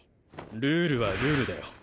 ルールはルールだよ。